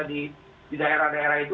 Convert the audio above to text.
di daerah daerah itu